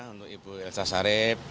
untuk ibu elza sharif